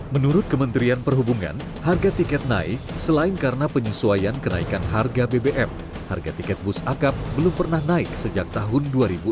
menurut kementerian perhubungan harga tiket naik selain karena penyesuaian kenaikan harga bbm harga tiket bus akap belum pernah naik sejak tahun dua ribu enam belas